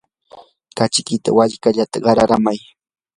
kachikita walkalata qaraykamay.